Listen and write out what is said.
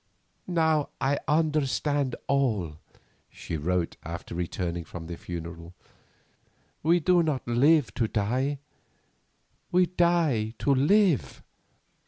"Now I understand it all," she wrote after returning from the funeral. "We do not live to die, we die to live.